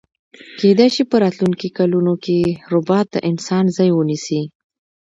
کیدای شی په راتلونکي کلونو کی ربات د انسان ځای ونیسي